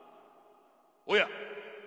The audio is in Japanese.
おや？